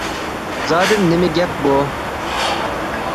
— زادى نېمە گەپ بۇ ؟!